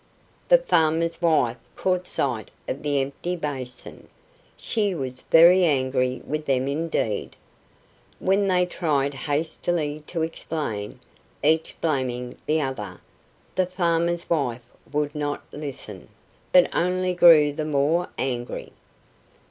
The farmer's wife caught sight of the empty basin. She was very angry with them indeed. When they tried hastily to explain, each blaming the other, the farmer's wife would not listen, but only grew the more angry.